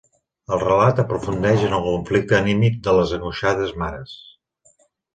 El relat aprofundeix en el conflicte anímic de les angoixades mares.